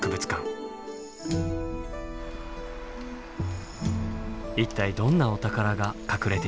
一体どんなお宝が隠れているのでしょう？